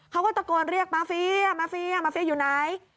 เขาก็ตะโกนเรียกมาเฟียมาเฟียมาเฟียอยู่ไหน